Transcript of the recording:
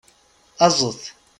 Aẓet!